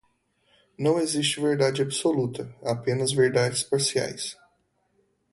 Não existe verdade absoluta, apenas verdades parciais.